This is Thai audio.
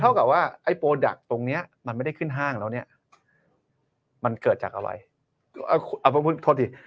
กับว่าไอ้โปรดักต์ตรงเนี้ยมันไม่ได้ขึ้นห้างแล้วเนี่ยมันเกิดจากอะไรเอาพูดโทษที